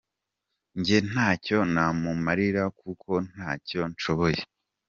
Njye ntacyo namumarira kuko ntacyo nshoboye.